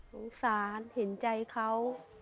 สงสารเห็นใจเขา